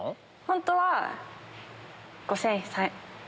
本当は５３００円。